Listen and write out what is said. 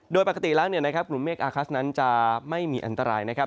โดยปกติแล้วเนี่ยนะครับกลุ่มเมฆอาร์คลัสนั้นจะไม่มีอันตรายนะครับ